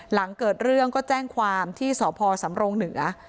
หลังเกิดเรื่องก็แจ้งความที่สพสำรงเหนือ